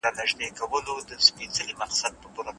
موږ د مڼې په خوړلو بوخت یو.